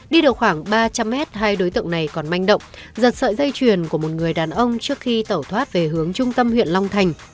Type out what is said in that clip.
đi được khoảng ba trăm linh mét hai đối tượng này còn manh động giật sợi dây chuyền của một người đàn ông trước khi tẩu thoát về hướng trung tâm huyện long thành